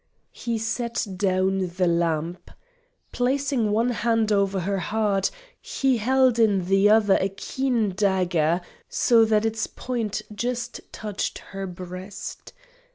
He set down the lamp. Placing one hand over her heart, he held in the other a keen dagger, so that its point just touched her breast.